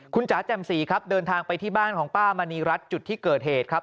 คุณจ๋าแจ่มสีครับเดินทางไปที่บ้านของป้ามณีรัฐจุดที่เกิดเหตุครับ